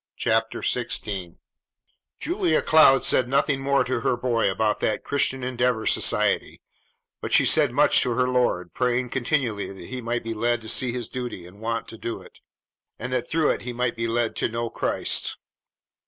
CHAPTER XVI Julia Cloud said nothing more to her boy about that Christian Endeavor Society, but she said much to her Lord, praying continually that he might be led to see his duty and want to do it, and that through it he might be led to know Christ.